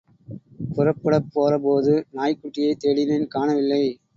புறப்படப் போறபோது நாய்க் குட்டியைத் தேடினேன் காணவில்லை.